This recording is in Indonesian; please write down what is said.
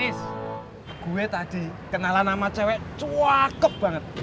is gue tadi kenalan sama cewek cuakep banget